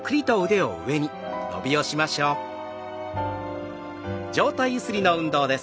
上体ゆすりの運動です。